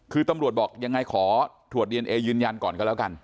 คือตำรวจบอกยังไงขอตรวจดีเอนเอยืนยันก่อนก็แล้วกัน